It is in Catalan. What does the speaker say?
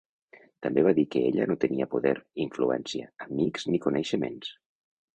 També va dir que ella no tenia poder, influència, amics ni coneixements.